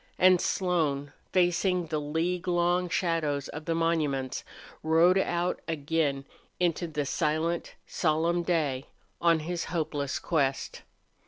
And Slone, facing the league long shadows of the monuments, rode out again into the silent, solemn day, on his hopeless quest.